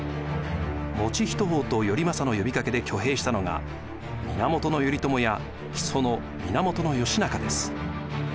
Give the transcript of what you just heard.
以仁王と頼政の呼びかけで挙兵したのが源頼朝や木曽の源義仲です。